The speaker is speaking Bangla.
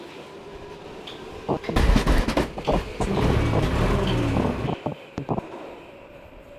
তিনি এই বইগুলোতে প্রাচ্যে ব্রিটিশ সেনা কর্মকর্তাদের নৈতিক দ্বন্দ্ব তুলে ধরেন।